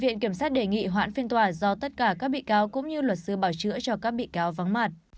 như luật sư bảo chữa cho các bị cáo vắng mặt